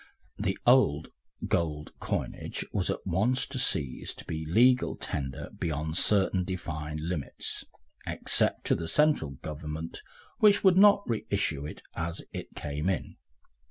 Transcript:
The old gold coinage was at once to cease to be legal tender beyond certain defined limits, except to the central government, which would not reissue it as it came in.